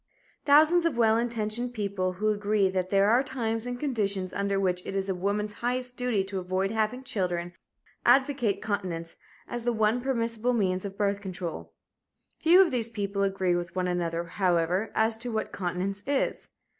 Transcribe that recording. Thousands of well intentioned people who agree that there are times and conditions under which it is woman's highest duty to avoid having children advocate continence as the one permissible means of birth control. Few of these people agree with one another, however, as to what continence is.